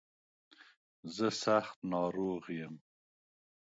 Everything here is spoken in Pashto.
زه سخت ناروغ يم.